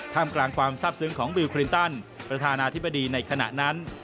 มกลางความทราบซึ้งของบิลคลินตันประธานาธิบดีในขณะนั้น